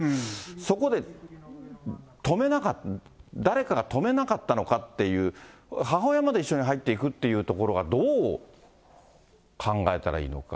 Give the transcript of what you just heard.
そこで止めなかった、誰かが止めなかったのかっていう、母親まで一緒に入っていくってところがどう考えたらいいのか。